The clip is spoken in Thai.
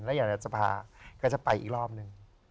แล้วอยากจะพาก็จะไปอีกรอบนึง